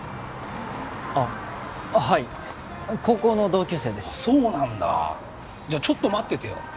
あっはい高校の同級生ですそうなんだじゃあちょっと待っててよ